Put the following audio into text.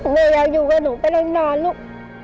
แม่อยากอยู่กับหนูไปนานลูก